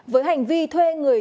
với hành vi thuê người